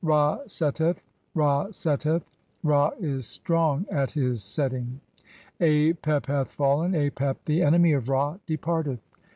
"Ra setteth, Ra setteth ; Ra is strong at [his] (10) setting. Apep "hath fallen, Apep, the enemy of Ra, departeth.